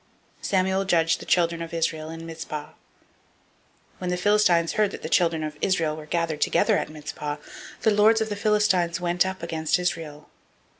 Samuel judged the children of Israel in Mizpah. 007:007 When the Philistines heard that the children of Israel were gathered together at Mizpah, the lords of the Philistines went up against Israel.